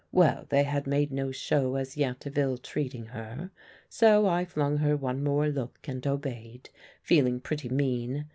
Well, they had made no show as yet of ill treating her; so I flung her one more look and obeyed, feeling pretty mean.